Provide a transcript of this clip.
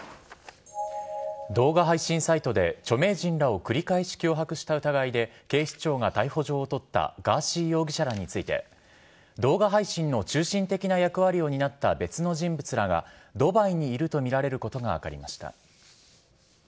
動画配信サイトで著名人らを繰り返し脅迫した疑いで警視庁が逮捕状を取ったガーシー容疑者らについて動画配信の中心的な役割を担った別の人物らがドバイにいるとみられることが分かりました。